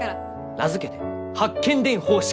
名付けて八犬伝方式！